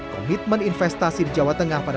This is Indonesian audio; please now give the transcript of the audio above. komitmen investasi di jawa tengah pada